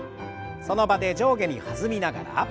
その場で上下に弾みながら。